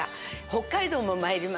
北海道も参ります。